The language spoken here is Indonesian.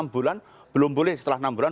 enam bulan belum boleh setelah enam bulan